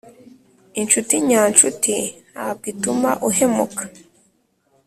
inshuti nyanshuti ntabwo ituma uhemuka